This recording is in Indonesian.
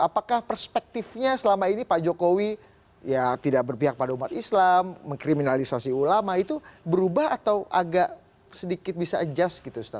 apakah perspektifnya selama ini pak jokowi ya tidak berpihak pada umat islam mengkriminalisasi ulama itu berubah atau agak sedikit bisa adjust gitu ustadz